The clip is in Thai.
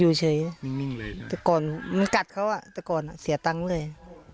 อยู่เฉยนิ่งเลยนะแต่ก่อนมันกัดเขาอ่ะแต่ก่อนอ่ะเสียตังค์เลย